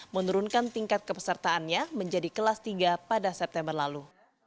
menurunkan tingkat kepesertaannya menjadi kelas tiga pada september lalu